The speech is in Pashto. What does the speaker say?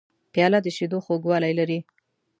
پیاله د شیدو خوږوالی لري.